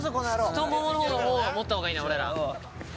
太もものほう、持ったほうがいいな、俺ら。